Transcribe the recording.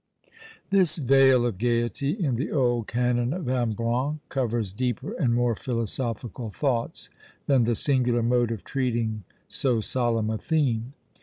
This veil of gaiety in the old canon of Ambrun covers deeper and more philosophical thoughts than the singular mode of treating so solemn a theme.